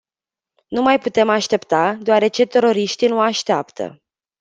Nu mai putem aștepta, deoarece teroriștii nu așteaptă.